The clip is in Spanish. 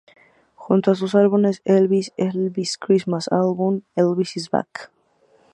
Junto con sus álbumes "Elvis", "Elvis' Christmas Album", "Elvis Is Back!